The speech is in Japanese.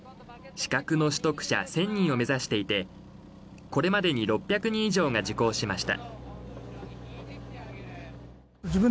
資格の取得者１０００人を目指していて、これまでに６００人以上が受講しました。